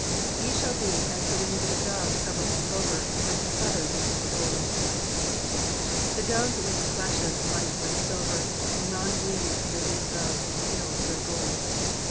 ''''Yet shall ye be as the wings of a dove covered with silvery and Iter feathers with yellow gold.''^ The dove's wing flashes light like silver, and anon gleams with the radiance of the pale, pure gold."